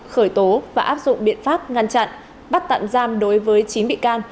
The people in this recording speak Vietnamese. khởi tố và áp dụng biện pháp ngăn chặn bắt tạm giam đối với chín bị can